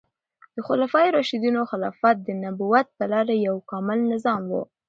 د خلفای راشدینو خلافت د نبوت په لاره یو کامل نظام و.